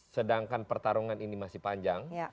sedangkan pertarungan ini masih panjang